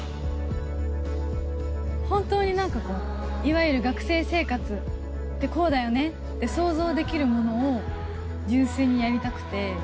本当になんかこう、いわゆる学生生活ってこうだよねって想像できるものを純粋にやりたくて。